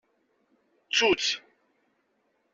Ttu-tt.